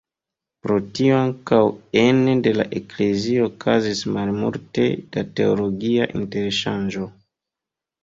Pro tio ankaŭ ene de la eklezio okazis malmulte da teologia interŝanĝo.